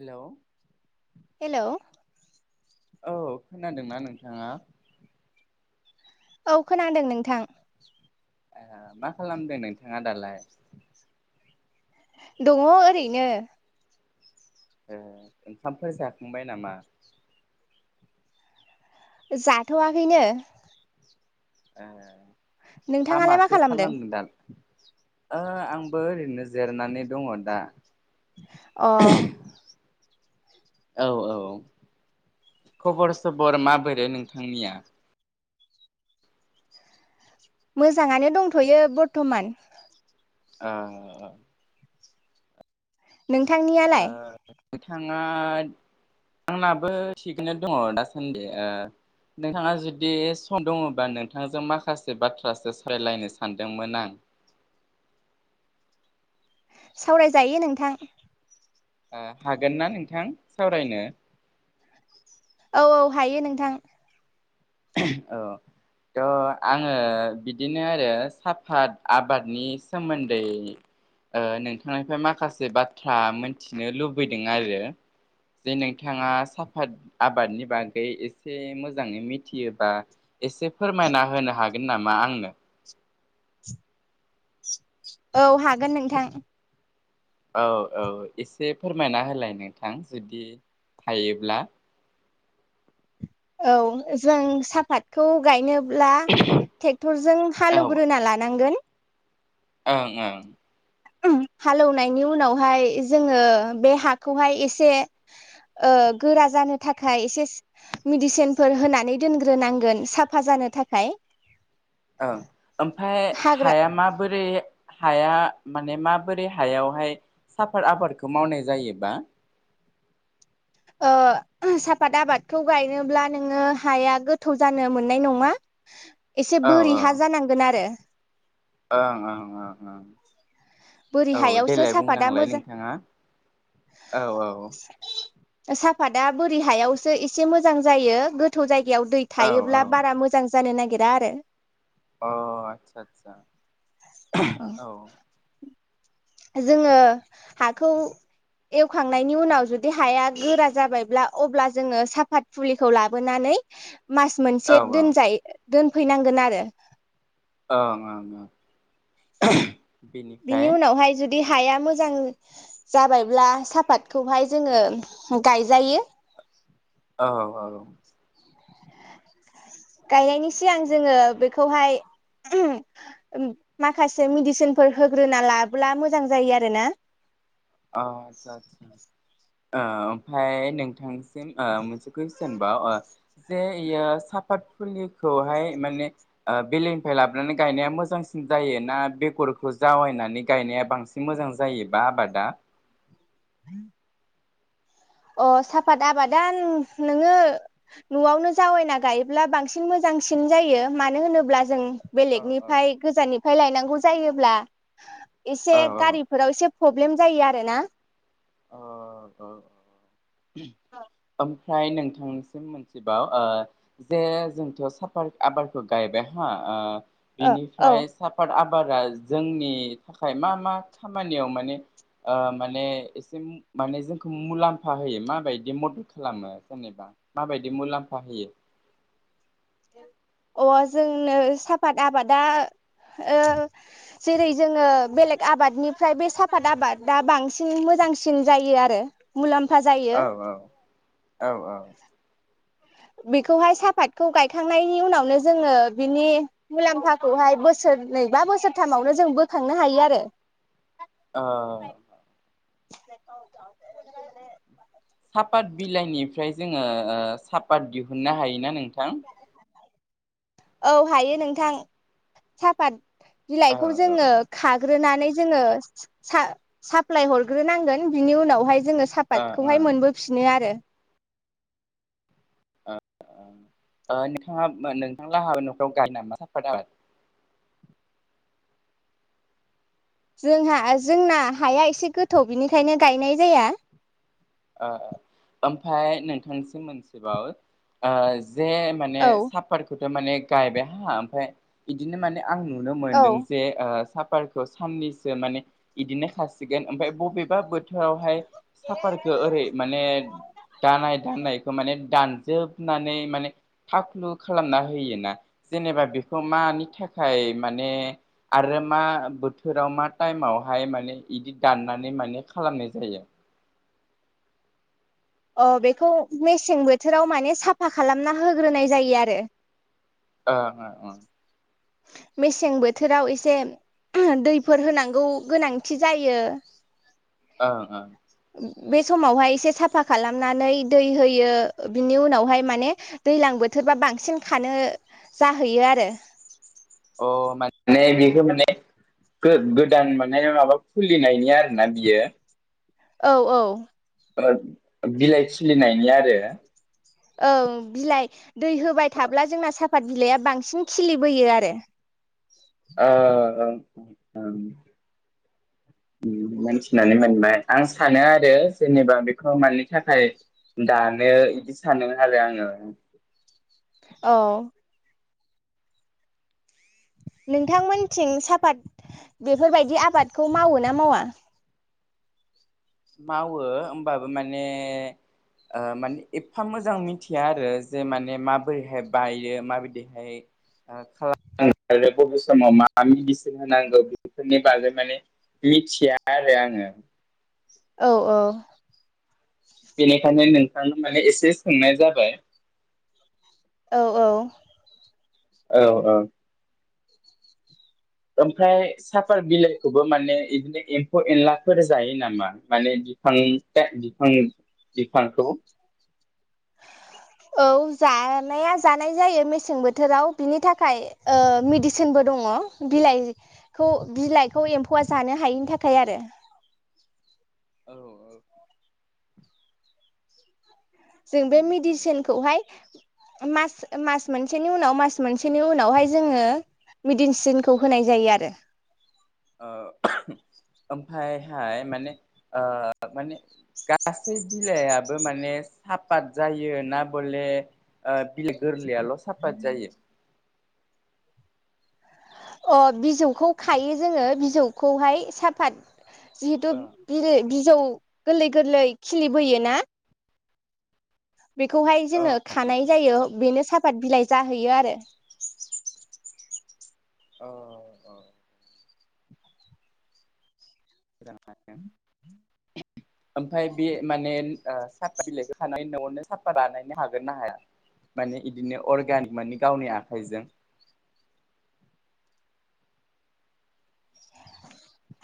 हेल' hello औ खोनादोंना नोंथाङा? औ खोनादों नोंथां। ओ मा खालामदों नोंथाङा दालाय? दङ ओरैनो। ए ओंखामफोर जाखांबाय नामा? जाथ'वाखैनो। ए हा नोंथाङालाय मा माथो खालामदों दाल ओ आंबो ओरैनो जिरायनानै दङ दा। अ। औ औ खबर सबर माबोरो नोंथांनिया? मोजाङानो दंथ'यो बरथमान। अ। नोंथांनियालाय? नोंथाङा आंनाबो थिगैनो दङ दासान्दि ओ नोंथाङा जुदि सम दङबा नोंथांजों माखासे बाथ्रासो सावरायलायनो सानदोंमोन आं। सावरायजायो नोंथां। ओ हागोन ना नोंथां सावरायनो? औ औ हायो नोंथां। औ त' आङो बिदिनो आरो साफात आबादनि सोमोन्दै ओ नोंथांनिफ्राय माखासे बाथ्रा मोनथिनो लुबैदों आरो जे नोंथाङा साफात आबादनि बागै एसे मोजाङै मिथि मिथियोबा एसे फोरमायना होनो हागोन नामा आंनो? औ हागोन नोंथां। औ औ एसे फोरमायना होलाय नोंथां जुदि हायोब्ला। औ जों साहाफातखौ गायनो ब्ला ट्रेक्टरजों औ हालौवग्रोना लानांगोन। ओं ओं। हालेवनायनि उनावहाय जोङो बे हाखौहाय एसे ओ गोरा जानो थाखाय एसे मेडिसिनफोर होनानै दोनग्रोनांगोन साफा जानो थाखाय। औं ओमफ्राय हाग्रा हाया माबोरै हाया माने माबोरै हायावहाय साफत आबादखौ मावनाय जायोबा? ओ साफात आबादखौ गायनोब्ला नोङो हाया गोथौ जानो मोननाय नङा। एसे औ बोरि औ हा जानांगोन आरो। ओं ओं ओं ओं बोरि ओं औ हायावसो देलाय सापादा बुंलांलाय मोजां नोंथाङा औ औ औ। साफाता बोरि हायावसो एसे मोजां जायो गोथौ जायग याव दै औ औ थायोब्ला बारा मोजां जानो नागिर दा आरो। अ आतसा आतसा औ। जोङो हाखौ एवखांनायनि उनाव जुदि हाया गोरा जाबायब्ला अब्ला जोङो साफात फुलिखौ लाबोनानै मास औ मोनसे औ दोनजायो। दोनफैनांगोन आरो। औ ओं ओं। बिनि बेनिफ्राय उनावहाय जुदि हाया मोजां जाबायब्ला सापातखौहाय जोङो गायजायो। औ औ। गायनायनि सिगां जोङो बेखौहाय माखासे मेडिसिनफोर होग्रोना लाब्ला मोजां जायो आरो ना। औ आदसा आदसा ओ ओमफ्राय नोंथांसिम ओ मोनसे कुइसन बाव ओ जे इयो साफात फुलिखौहाय माने ओ बेलेगनिफ्राय लाबोनानै गायनाया मोजांसिन जायो ना बेगरखौ जावायनानै गायनाया बांसिन मोजां जायोबा आबादा? [inaudible] [inaudible] अ साफात आबादा नोङो न'आवनो जावैना गायोब्ला बांसिन मोजांसिन जायो मानो होनोब्ला जों औ औ बेलेगनिफ्राय गोजाननि फाय लायनांगौ जायोब्ला एसे औ औ गारिफोराव एसे प्रब्लेम जायो आरोना औ ओमफ्राय नोंथांनिसिम मोनथिबाव ओ जे जोंथ' साफा आबारखौ गायबाय हा ओ औ औ बेनिफ्राय साफाथ आ बारा जोंनि थाखाय मा मा खामानियाव माने ओ माने एसे माने जोंखौ मुलाम्फ मुलाम्फा होयो माबायदि मदद खालामो जेनेबा माबायदि मुलाम्फा होयो? अ जोंनो साफात आबादा ओ जेरै जोङो बेलेग आबादनिफ्राय बे साहाफात आबादा बांसिन मोजांसिन जायो आरो मुलाम फा जायो औ औ औ औ बेखौहाय साहाफातखौ गायखांनायनि उनावनो जोङो बिनि मुलाम्फाखौहाय बोसोरनै बा बोसोरथामावनो जों बोखांनो हायो आरो ओ [unintelligible] साफात बिलाइनिफ्राय जोङो ओ साफात दिहुननो हायोना नों [inaudible] औ हायो नोंथां साफात ओ बिलाइखौ जोङो खा ग्रोनानै जोङो साप्लाय हग्रोनांगोन बिनि उनावहाय जोङो ओ ओ साफातखौहाय मोनबोफिनो आरो ओ नोंथाङा नोंथां लाहानि न'खाव गारि नामा साफात आबाद? जोंहा जोंना हाया एसे गोथौ बेनिखायनो गायनाय जाया ओ ओमफ्राय नोंथांसिम मोनसेबाव ओ जे माने औ साफातफोर ओ माने गायबाय हा ओमफ्राय बिदिनो माने आं नुनो औ मोन्दों जे ओ साब सापार साननैसो माने बिदिनो खासिगोन ओमफ्राय बबेबा बोथोरावहाय सापारखौ अ ओरै माने दानाय दानायखौ माने दानजोबनानै माने थाखाख्लु खालामना होयोना जेनेबा बेखौ मानि थाखाय माने आरो मा बोथोराव मा टाइमावहाय माने बिदि दाननानै माने खालामनाय जायो। अ बेखौ मेसें बोथोराव माने साफा खालामना होग्रोनाय जायो आरो ओ ओं ओं मेसें बोथोराव एसे दैफोर होनांगौ गोनांथि जायो ओं ओं बे समावहाय एसे साफा खालामनानै दै होयो बिनि उनावहाय माने दैज्लां बोथोरबा बांसिन खानो जाहैयो आरो अ माने बेखौ माने गोदान माने माबा खुलिनायनि आरोना बियो औ औ बिलाइ खिलिनायनि आरो ओं बिलाइ दै होबाय थाब्ला जोंना साफात बिलाइआ बांसिन खिलिबोयो आरो ओ ओं ओं ओं ओम मोनथिनानै मोनबाय आं सा सानो आरो जेनेबा बेखौ मानि थाखाय दानो इदि सानो आरो आङो। औ। नोंथांमोनथिं साफात बेफोरबायदि आबादखौ मावो ना मावा? मावो होमबाबो माने ओ माने एफा मोजां मिथिया आरो जे माने माबोरैहाय बायो माबायदिहाय खालाम [unintelligible] बबे समाव मा मेडिसिन होनांगौ बेफोरनि बागै माने मिथिया आरो आङो। औ औ। बेनिखायनो नोंथांनो माने एसे सोंनाय जाबाय। औ औ। औ औ। ओमफ्राय साफार बिलाइखौबो माने इदिनो एम्फौ एनलाफोर जायो नामा माने बिफां बिफां बिफांखौ? औ जानाया जानाय जायो मेसें बोथोराव बिनि थाखाय ओ मेडिसिनबो दङ बिलाइखौ बिलाइखौ एम्फौआ जानो हायिनि थाखाय आरो। औ औ। [inaudible] जों बे मेडिसिनखौहाय मास मास मोनसेनि उनाव मास मोनसेनि उनावहाय जोङो मेडिसिनखौ होनाय जायो आरो। ओ [unintelligible] ओमफायहाय माने ओ माने गासै बिलाइआबो माने साफात जायो ना बले ओ बिलाइ गोरलैयाल' साफात जायो? अ बिजौखौ खायो जोङो बिजौखौहाय साफात जिहेतु ओं बि बि [inaudible] जौ गोरलै गोरलै खिलिबोयो ना। बेखौहाय जोङो ओं खानाय जायो बेनो साफात बिलाइ जाहैयो आरो। औ औ। [inaudible] [unintelligible] ओमफाय बे माने ओ सापाट बिलाइखौ खानानै न'आवनो सापात बानायनो हागोन ना हाया माने इदिनो अर्गानिक मानि गावनि आखाइजों?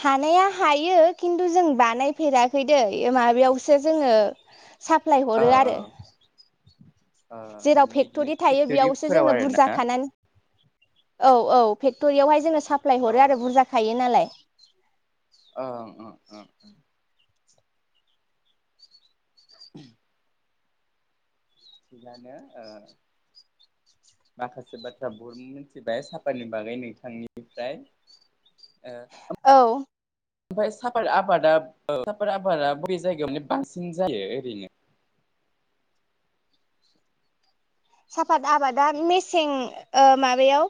हानाया हायो खिन्थु जों बानायफेराखै दैे माबायावसो जोङो। साप्लाय औ हरो आरो। औ ओ जेराव माने इदिनो फेक्ट'रि थायो बेयावसो फेक्ट'रिफोराव जोङो आरोना बुरजा खानानै औ औ फेक्ट'रियावहाय जोङो साप्लाय ओ हरो आरो बुरजाखायो नालाय। [inaudible] ओं ओ ओ ओम। [unintelligible] थिगानो ओ माखासे बाथ्रा बहुत मिनथिबाय सापातनि बागै नोंथांनिफ्राय ओ [inaudible] औ। ओमफ्राय साफार आबादा साफाय आबादा बबे जायगायावनो बांसिन जायो ओरैनो? [inaudible] साफात आबादा मेसें ओ माबायाव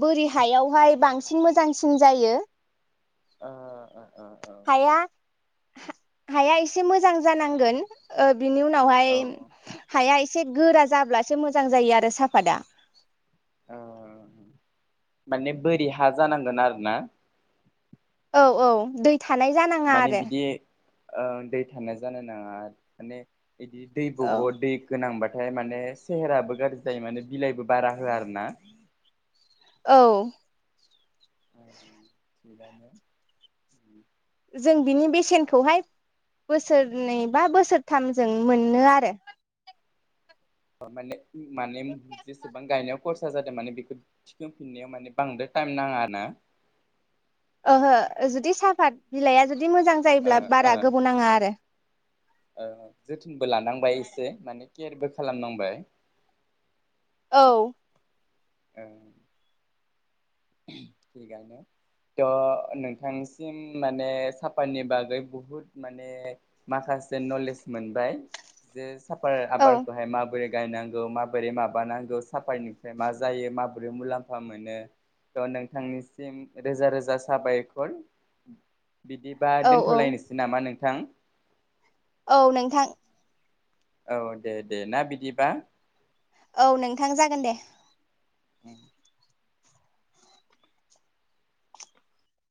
बोरि हायावहाय बांसिन मोजांसिन जायो। ओ ओ ओ हाया हा- हाया एसे मोजां जानांगोन ओ बिनि औ उनावहाय हाया एसे गोरा जाब्लासो मोजां जायो आरो साफादा। औ ओ माने बोरि हा जानांगोन आरो ना? औ औ दै थानाय जानाङा माने आरो। बिदि ओ दै थानाय जानो नाङा। माने बिदि दैब'ब' दै गोनांबा ओमफ्राय माने सेहेराबो गाज्रि जायो माने बिलाइबो बारा होआ आरो ना। औ ओं थिगानो ओं जों बिनि बेसेनखौहाय बोसोरनै बा बोसोरथामजों मोनो आरो। ओ माने माने जेसेबां गायनायाव खरसा जादों माने बेखौ थिखांफिननायाव माने बांद्राय टाइम नाङा ना? ओहो जुदि साहाफात बिलाइआ जुदि जुदि मोजां ओ जायोब्ला बारा ओ गोबाव नाङा आरो। ओ जो थोनबो लानांबाय एसे। माने केयारबो खालामनांबाय। औ औ थिगानो थ' नोंथांसिम माने साफाटनि बागै बहुद माने माखासे नलेज मोनबाय जे साफाद औ आबादखौहाय माबोरै गायनांगौ माबोरै माबानांगौ साफायनिफ्राय मा जायो माबोरै मुलाम्फा मोनो। औ नोंथांनिसिम रोजा रोजा साबायखर। बिदिबा औ औ दोन्थलायनोसै नामा नों थां? औ नोंथां। औ दे दे ना बिदिबा? औ नोंथां जागोन दे। उम